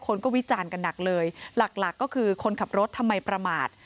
คนก็วิจารณ์กันหนักเลยหลักหลักก็คือคนขับรถทำไมประมาท